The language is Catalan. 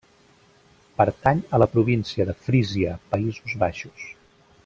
Pertany a la província de Frísia, Països Baixos.